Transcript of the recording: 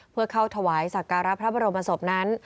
เพื่อเข้าถวายสักการะพระบรมศพนั้น